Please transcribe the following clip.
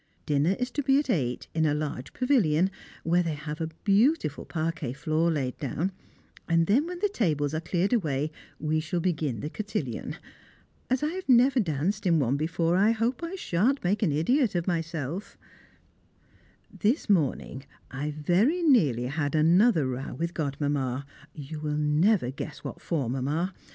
Dinner is to be at eight, in a large pavilion, where they have had a beautiful parquet floor laid down, and then when the tables are cleared away, we shall begin the cotillon. As I have never danced in one before, I hope I sha'n't make an idiot of myself. [Sidenote: Etiquette of the Bathroom] This morning I very nearly had another row with Godmamma you will never guess what for, Mamma!